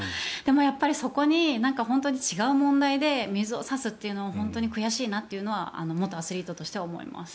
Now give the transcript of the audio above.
やっぱりそこに違う問題で水を差すというのは本当に悔しいなというのは元アスリートとして思います。